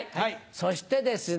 そしてですね